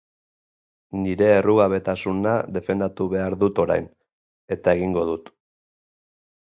Nire errugabetasuna defendatu behar dut orain, eta egingo dut.